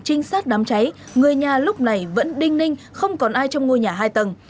trinh sát đám cháy người nhà lúc này vẫn đinh ninh không còn ai trong ngôi nhà hai tầng